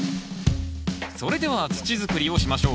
それでは土づくりをしましょう。